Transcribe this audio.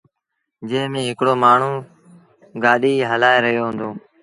جݩهݩ ميݩ هڪڙو مآڻهوٚݩ گآڏيٚ هلآئي رهيو هُݩدو۔